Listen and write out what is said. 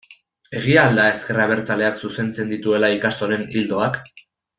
Egia al da ezker abertzaleak zuzentzen dituela ikastolen ildoak?